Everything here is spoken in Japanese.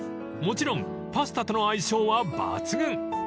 ［もちろんパスタとの相性は抜群］